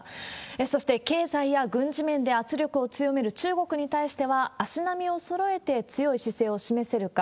そして、経済や軍事面で圧力を強める中国に対しては、足並みをそろえて強い姿勢を示せるか。